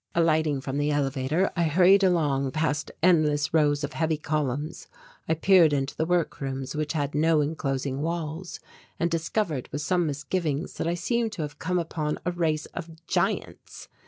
Alighting from the elevator, I hurried along past endless rows of heavy columns. I peered into the workrooms, which had no enclosing walls, and discovered with some misgiving that I seemed to have come upon a race of giants.